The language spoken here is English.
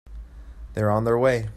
They're on their way.